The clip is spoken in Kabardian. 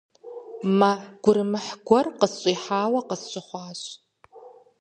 Мэ гурымыхь гуэр къысщӀихьауэ къысщыхъуащ.